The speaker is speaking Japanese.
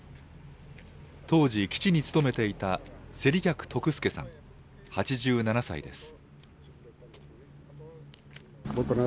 当時、基地に勤めていた勢理客徳助さん８７歳です。